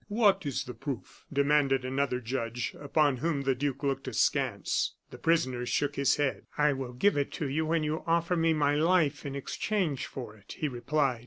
"What is the proof?" demanded another judge, upon whom the duke looked askance. The prisoner shook his head. "I will give it to you when you offer me my life in exchange for it," he replied.